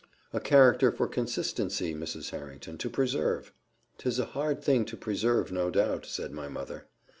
"A character for consistency, Mrs. Harrington, to preserve." "'Tis a hard thing to preserve, no doubt," said my mother.